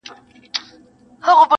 غر پر غره نه ورځي، سړى پر سړي ورځي.